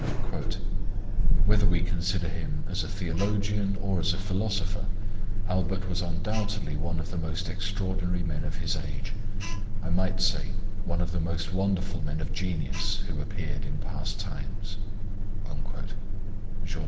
" Whether we consider him as a 8 Preface theologian or as a philosopher, Albert was undoubtedly one of the most extraordinary men of his age ; I might say, one of the most wonderful men of genius who appeared in past times " (Jour dam).